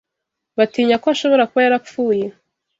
Batinya ko ashobora kuba yarapfuye.